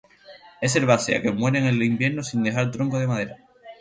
Es herbácea, que muere en el invierno sin dejar tronco de madera.